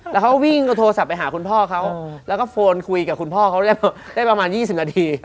แล้วเขาวิ่งก็โทรศัพท์ไปหาคุณพ่อเขาแล้วก็โฟนคุยกับคุณพ่อเขาได้ประมาณ๒๐นาที